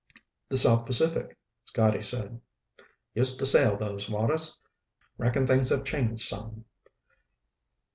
"The South Pacific," Scotty said. "Used to sail those waters. Reckon things have changed some."